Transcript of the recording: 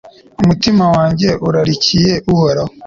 Umutima wanjye urarikiye Uhoraho